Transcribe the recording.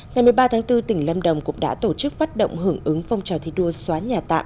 ngày một mươi ba tháng bốn tỉnh lâm đồng cũng đã tổ chức phát động hưởng ứng phong trào thi đua xóa nhà tạm